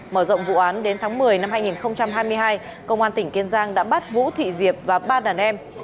mở rộng vụ án đến tháng một mươi năm hai nghìn hai mươi hai công an tỉnh kiên giang đã bắt vũ thị diệp và ba đàn em